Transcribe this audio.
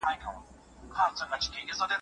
ایا ته په خپله موضوع کي کوم بل څېړونکی پیژنې؟